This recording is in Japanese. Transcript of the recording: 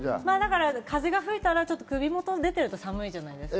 風が吹いたら首元が出てると寒いじゃないですか。